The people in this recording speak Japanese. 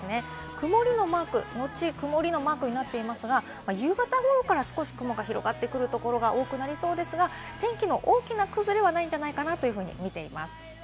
曇りのマーク、後、曇りのマークになっていますが、夕方頃から少し雲が広がってくるところが多くなりそうですが、天気の大きな崩れはないんじゃないかなと見ています。